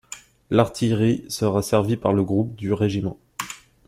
L'artillerie sera servie par le Groupe du Rgt.